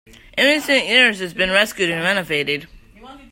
In recent years it has been rescued and renovated.